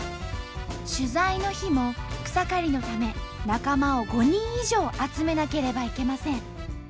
取材の日も草刈りのため仲間を５人以上集めなければいけません。